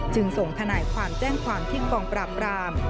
จึงส่งทนายความแจ้งความที่กองปราบราม